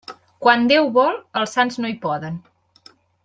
Quan Déu vol, els sants no hi poden.